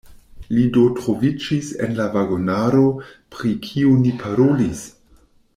Li do troviĝis en la vagonaro, pri kiu ni parolis?